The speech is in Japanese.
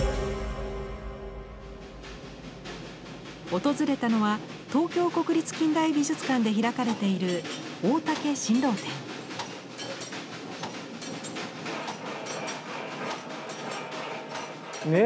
訪れたのは東京国立近代美術館で開かれているねえ！